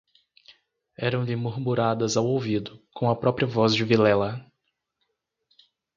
Eram-lhe murmuradas ao ouvido, com a própria voz de Vilela.